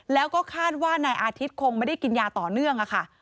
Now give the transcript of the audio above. แล้วก็คาดว่านายอาทิตย์คงไม่ได้กินยาต่อเนื่องค่ะ